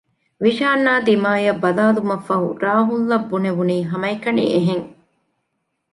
ވިޝާންއާ ދިމާއަށް ބަލާލުމަށްފަހު ރާހުލްއަށް ބުނެވުނީ ހަމައެކަނި އެހެން